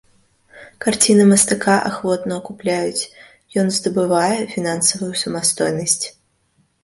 Карціны мастака ахвотна купляюць, ён здабывае фінансавую самастойнасць.